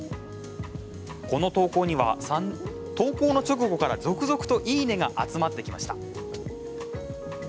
投稿の直後から、続々といいね！が集まってきました。